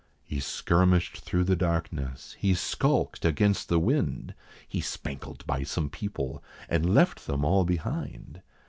He skirmished through the darkness, he skulked against the wind, He spankled by some people, and left them all behind.